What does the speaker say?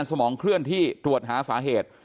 พี่สาวของเธอบอกว่ามันเกิดอะไรขึ้นกับพี่สาวของเธอ